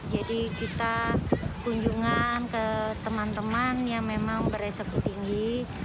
jadi kita kunjungan ke teman teman yang memang beresekut tinggi